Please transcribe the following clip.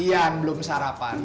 yan belum sarapan